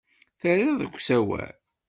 Terriḍ deg usawal.